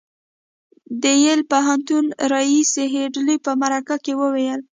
د یل پوهنتون ريیس هيډلي په مرکه کې وویل